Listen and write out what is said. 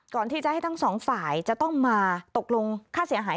ก่อนที่จะให้ทั้งสองฝ่ายจะต้องมาตกลงค่าเสียหาย